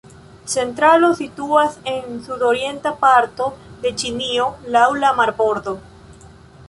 Centralo situas en sudorienta parto de Ĉinio laŭ la marbordo.